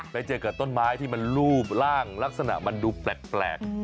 ไปเจอกับต้นไม้ที่มันรูปร่างลักษณะมันดูแปลก